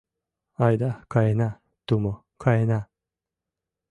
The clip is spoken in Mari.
Айда каена, тумо, каена!